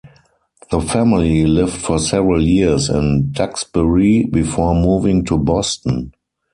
The family lived for several years in Duxbury before moving to Boston.